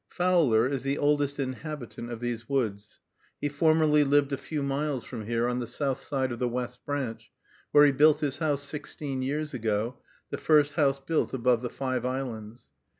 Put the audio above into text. Fowler is the oldest inhabitant of these woods. He formerly lived a few miles from here, on the south side of the West Branch, where he built his house sixteen years ago, the first house built above the Five Islands.